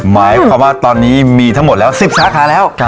หมายความว่าตอนนี้มีทั้งหมดแล้ว๑๐สาขาแล้ว